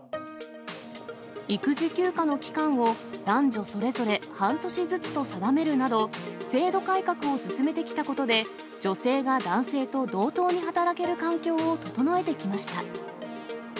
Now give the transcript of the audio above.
育児休暇の期間を男女それぞれ半年ずつと定めるなど、制度改革を進めてきたことで、女性が男性と同等に働ける環境を整えてきました。